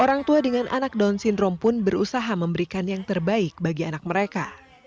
orang tua dengan anak down syndrome pun berusaha memberikan yang terbaik bagi anak mereka